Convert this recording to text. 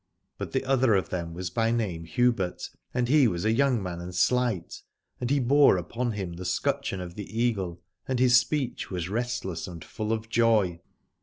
But the other of them was by name Hubert, and he was a young man and slight ; and he bore upon him the scutcheon of the Eagle, and his speech was restless and full of joy.